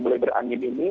mulai berangin ini